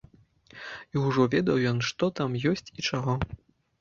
І ўжо ведаў ён, хто там ёсць і чаго.